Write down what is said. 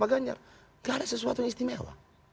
gak ada sesuatu yang istimewa